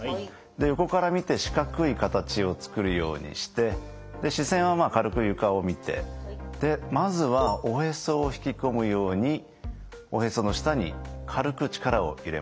横から見て四角い形を作るようにして視線は軽く床を見てまずはおへそを引き込むようにおへその下に軽く力を入れます。